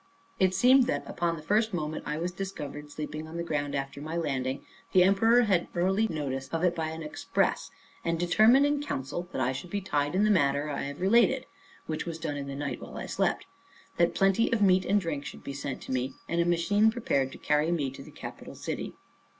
It seems that, upon the first moment I was discovered sleeping on the ground after my landing, the emperor had early notice of it by an express; and determined in council that I should be tied in the manner I have related (which was done in the night while I slept), that plenty of meat and drink should be sent to me, and a machine prepared to carry me to the capital city.